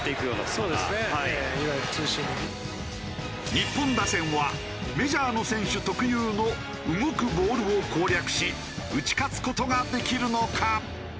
日本打線はメジャーの選手特有の動くボールを攻略し打ち勝つ事ができるのか？